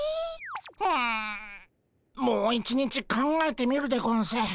うんもう一日考えてみるでゴンス。